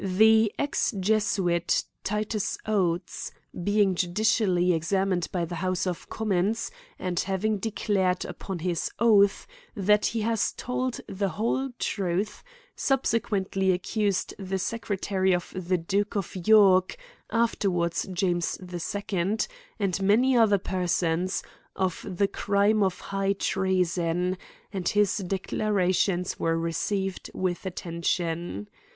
The exjesuit Titus Oates, being judicially examined by the house of commons, and, having declared, vpon his oath, that he has told the whole truth^ subsequently accused the secretary of the duke of York, afterwards James II, and many other persons, of the crime of high treason ; and his de clarations were received with attention.